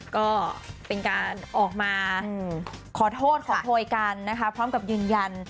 ก็เป็นการออกมาขอโทษขอโพยกันนะคะพร้อมกับยืนยัน